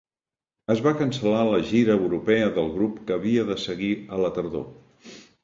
Es va cancel·lar la gira europea del grup que havia de seguir a la tardor.